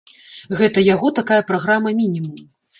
Гэта яго такая праграма-мінімум.